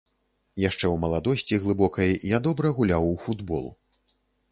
Яшчэ ў маладосці глыбокай я добра гуляў у футбол.